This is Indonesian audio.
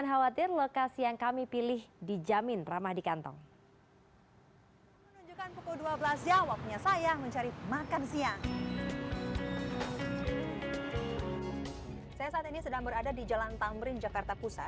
saya saat ini sedang berada di jalan tamrin jakarta pusat